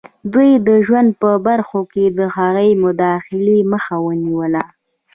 دوی د ژوند په برخو کې د هغوی د مداخلې مخه ونیوله.